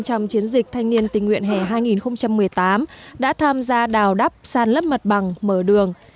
trong chiến dịch thanh niên tình nguyện hẻ hai nghìn một mươi tám đã tham gia đào đắp sàn lấp mặt bằng mở đường